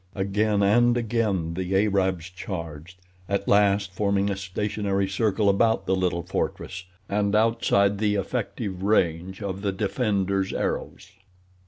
Again and again the Arabs charged, at last forming a stationary circle about the little fortress, and outside the effective range of the defenders' arrows.